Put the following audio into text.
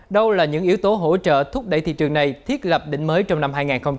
đâu là những yếu tố hỗ trợ thúc đẩy thị trường này thiết lập đỉnh mới trong năm hai nghìn hai mươi bốn